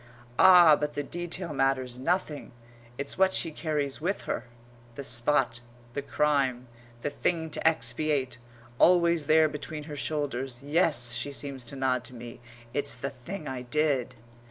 Ah, but the detail matters nothing! It's what she carries with her; the spot, the crime, the thing to expiate, always there between her shoulders. "Yes," she seems to nod to me, "it's the thing I did."